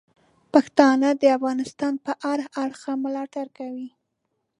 پښتانه د افغانستان د هر اړخ ملاتړي دي.